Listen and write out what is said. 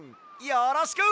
よろしく！